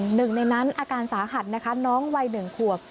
หนึ่งในนั้นอาการสาหัสนะคะน้องวัย๑ขวบ